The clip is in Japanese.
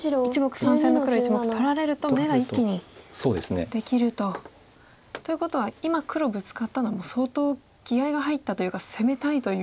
３線の黒１目取られると眼が一気にできると。ということは今黒ブツカったのは相当気合いが入ったというか攻めたいという。